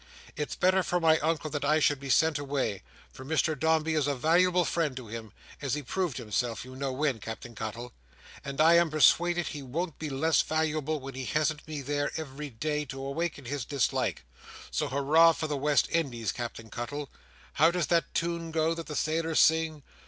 It's better for my Uncle that I should be sent away; for Mr Dombey is a valuable friend to him, as he proved himself, you know when, Captain Cuttle; and I am persuaded he won't be less valuable when he hasn't me there, every day, to awaken his dislike. So hurrah for the West Indies, Captain Cuttle! How does that tune go that the sailors sing?